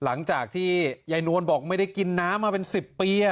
หลังจากที่ยายนวลบอกไม่ได้กินน้ำมาเป็น๑๐ปี